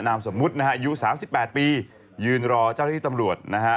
นามสมมุตินะฮะอายุสามสิบแปดปียืนรอเจ้าที่ตำรวจนะฮะ